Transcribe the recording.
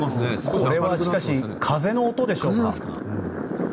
これは風の音でしょうか。